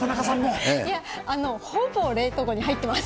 あの、ほぼ冷凍庫に入ってます。